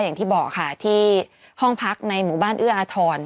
อย่างที่บอกค่ะที่ห้องพักในหมู่บ้านเอื้ออาทร